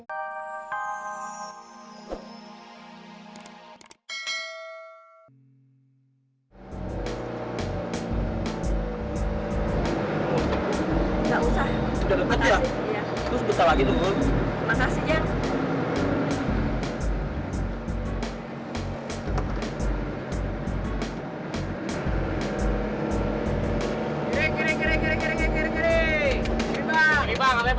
gak usah makasih